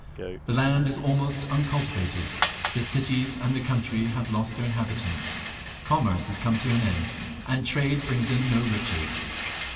The land is almost uncultivated ; the cities and the country have lost their inhabitants, commerce has come to an end, and trade brings in no riches."